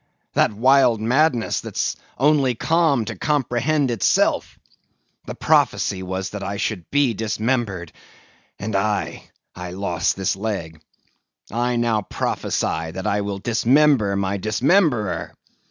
That wild madness that's only calm to comprehend itself! The prophecy was that I should be dismembered; and—Aye! I lost this leg. I now prophesy that I will dismember my dismemberer.